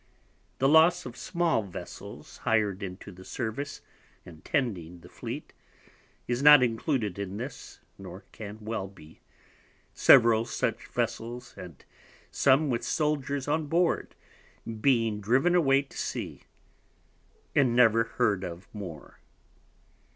The loss of small Vessels hir'd into the Service, and tending the Fleet, is not included in this, nor can well be, several such Vessels, and some with Soldiers on Board, being driven away to Sea, and never heard of more.